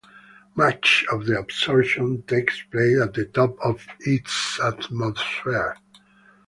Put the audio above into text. Much of the absorption takes place at the top of its atmosphere.